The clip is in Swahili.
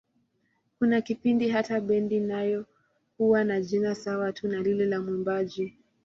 Kuna kipindi hata bendi nayo huwa na jina sawa tu na lile la mwimbaji.